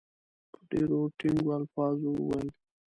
په ډېرو ټینګو الفاظو وویل.